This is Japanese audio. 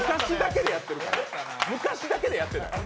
昔だけでやってない？